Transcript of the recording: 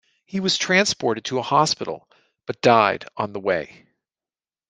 He was transported to a hospital, but died on the way.